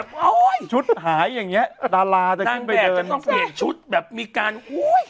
เออจริงนะครับชุดหายอย่างนี้ดาราจะขึ้นไปเดินต้องเปลี่ยนชุดแบบมีการอุ๊ย